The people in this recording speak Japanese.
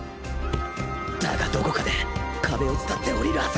だがどこかで壁を伝って下りるはず